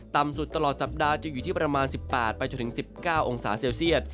ต่ำสุดตลอดสัปดาห์จึงอยู่ที่ประมาณ๑๘ไปจนถึง๑๙องศาเซลเซียต